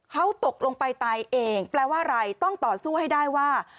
เขาตกลงไปตายเองแปลว่าอะไรต้องต่อสู้ให้ได้ว่า